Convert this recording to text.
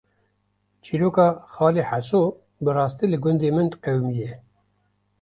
Çîroka “Xalê Heso” bi rastî li gundê min qewîmiye